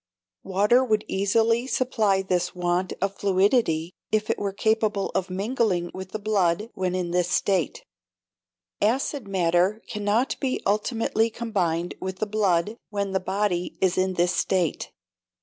Water would easily supply this want of fluidity if it were capable of mingling with the blood when in this state; acid matter cannot be ultimately combined with the blood when the body is in this state.